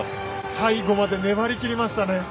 最後まで粘り切りましたね。